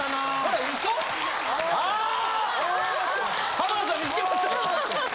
・浜田さん見つけましたよ。